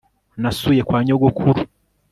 nasuye kwa nyogokuru